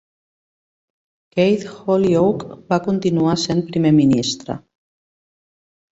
Keith Holyoake va continuar sent primer ministre.